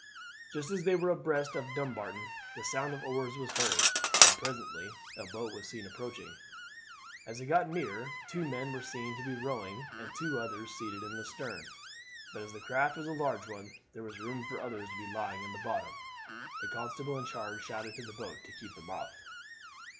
Just as they were abreast of Dumbarton the sound of oars was heard, and presently a boat was seen approaching. As it got nearer two men were seen to be rowing, and two others seated in the stern; but as the craft was a large one there was room for others to be lying in the bottom. The constable in charge shouted to the boat to keep them off.